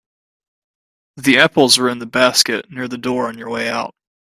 The apples are in the basket near the door on your way out.